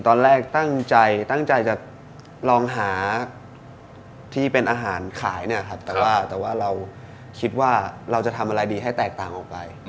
ตอนแรกตั้งใจตั้งใจจะลองหาที่เป็นอาหารขายเนี่ยครับแต่ว่าเราคิดว่าเราจะทำอะไรดีให้แตกต่างออกไป